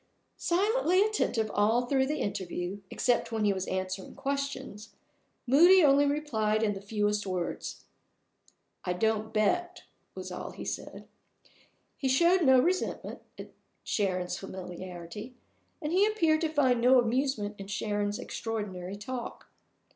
Silently attentive all through the interview (except when he was answering questions), Moody only replied in the fewest words. "I don't bet," was all he said. He showed no resentment at Sharon's familiarity, and he appeared to find no amusement in Sharon's extraordinary talk.